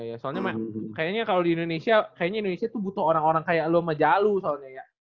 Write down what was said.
ya soalnya kayaknya kalau di indonesia kayaknya indonesia tuh butuh orang orang kayak loma jalu soalnya ya